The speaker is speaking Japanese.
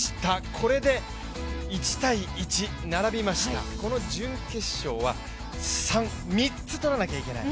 これで１−１、並びました、この準決勝は３つ取らなきゃいけない。